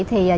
thì nhận ra